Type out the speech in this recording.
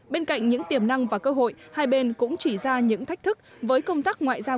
bên cạnh những tiềm năng và cơ hội hai bên cũng chỉ ra những thách thức với công tác ngoại giao